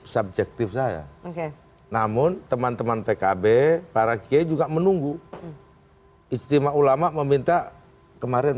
subjektif saya oke namun teman teman pkb para kiai juga menunggu istimewa ulama meminta kemarin